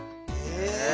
え！